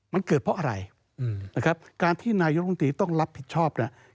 มันเกิดเพราะอะไรนะครับการที่นายกรรมตรีต้องรับผิดชอบเนี่ย